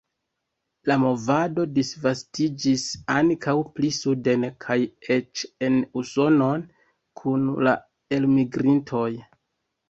La movado disvastiĝis ankaŭ pli suden kaj eĉ en Usonon kun la elmigrintoj.